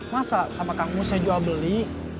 masa sama kang mus saya jual beli